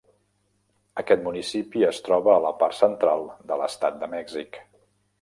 Aquest municipi es troba a la part central de l'estat de Mèxic.